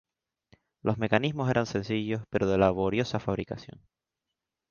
Los mecanismos eran sencillos pero de laboriosa fabricación.